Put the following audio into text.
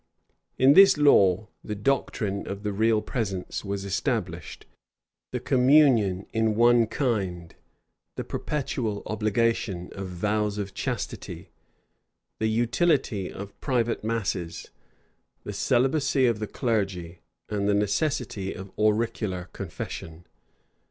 In this law the doctrine of the real presence was established, the communion in one kind, the perpetual obligation of vows of chastity, the utility of private masses, the celibacy of the clergy, and the necessity of auricular confession.